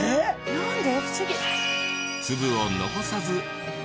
なんで？